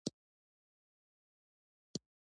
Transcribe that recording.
د لمر سوځیدنې څخه انار څنګه وساتم؟